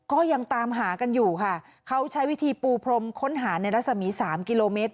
ก็ยังตามหากันอยู่ค่ะเขาใช้วิธีปูพรมค้นหาในรัศมี๓กิโลเมตร